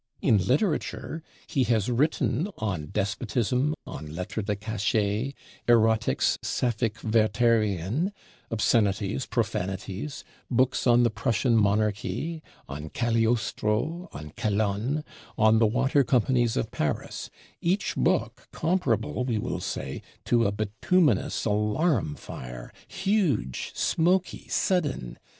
In Literature, he has written on 'Despotism,' on 'Lettres de Cachet'; Erotics Sapphic Werterean, Obscenities, Profanities; Books on the 'Prussian Monarchy,' on 'Cagliostro,' on 'Calonne,' on 'The Water Companies of Paris': each book comparable, we will say, to a bituminous alarum fire, huge, smoky, sudden!